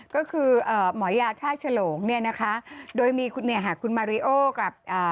ก็คือหมอยาท่าฉลงเนี่ยนะคะ